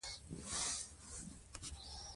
دوی د ژبې خدمتګاران دي.